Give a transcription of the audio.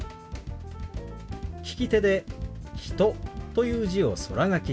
利き手で「人」という字を空書きします。